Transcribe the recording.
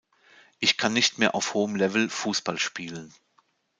Ich kann nicht mehr auf hohem Level Fußball spielen.